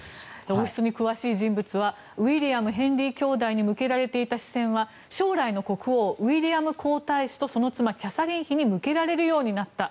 王室に詳しい人物はウィリアム、ヘンリー兄弟に向けられていた視線は将来の国王ウィリアム皇太子とその妻キャサリン妃に向けられるようになった。